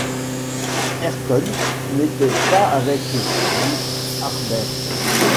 Ayrton n’était pas avec eux! dit Harbert.